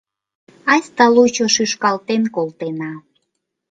Айста лучо шӱшкалтен колтена.